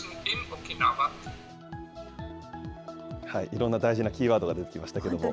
いろんな大事なキーワードが出てきましたけれども。